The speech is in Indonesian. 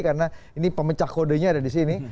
karena ini pemecah kodenya ada disini